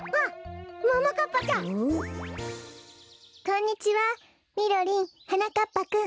こんにちはみろりんはなかっぱくん。